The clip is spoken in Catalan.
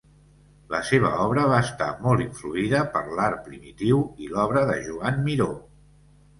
La seva obra va estar molt influïda per l'art primitiu i l'obra de Joan Miró.